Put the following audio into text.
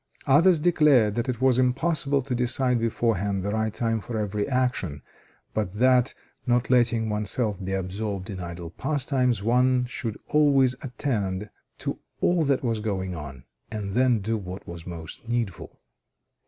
Others declared that it was impossible to decide beforehand the right time for every action; but that, not letting oneself be absorbed in idle pastimes, one should always attend to all that was going on, and then do what was most needful.